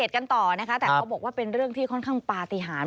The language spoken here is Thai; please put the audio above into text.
กันต่อนะคะแต่เขาบอกว่าเป็นเรื่องที่ค่อนข้างปฏิหาร